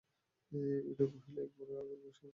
বিনয় কহিল, একেবারে আগাগোড়া সমস্তই মায়া?